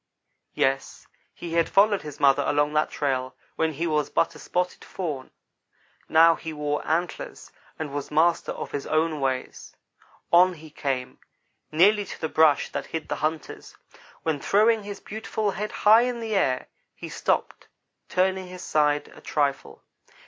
Yes, he had followed his mother along that trail when he was but a spotted fawn now he wore antlers, and was master of his own ways. On he came nearly to the brush that hid the hunters, when, throwing his beautiful head high in the air, he stopped, turning his side a trifle.